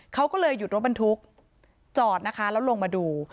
เขาก็เลยหยุดรถบรรทุกจอดนะคะแล้วลงมาดู